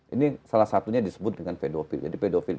ini salah satunya disebut dengan pedofil